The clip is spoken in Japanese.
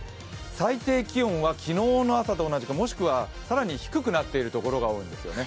最低気温は昨日の朝と同じかもしくは更に低くなっている所が多いんですよね。